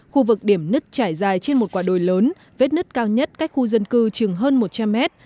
khu vực điểm nứt trải dài trên một quả đồi lớn vết nứt cao nhất cách khu dân cư chừng hơn một trăm linh mét